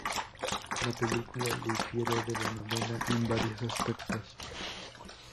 La película difiere de la novela en varios aspectos.